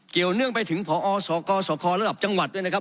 เกี่ยวเนื่องไปถึงพอสคสระจด้วยนะครับ